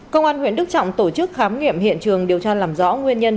công an huyện đức trọng tổ chức khám nghiệm hiện trường điều tra làm rõ nguyên nhân